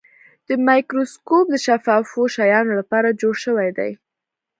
دا مایکروسکوپ د شفافو شیانو لپاره جوړ شوی دی.